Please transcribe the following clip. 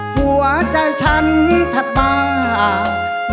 หัวใจฉันทับปาก